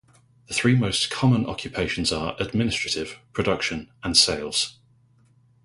The three most common occupations are administrative, production, and sales.